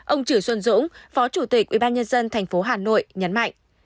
ông chử xuân dũng phó chủ tịch ubnd thành phố hà nội nhấn mạnh